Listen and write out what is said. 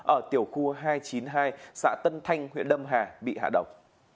ở tiểu khu hai trăm chín mươi hai xã tân thanh huyện lâm hà bị hạ độc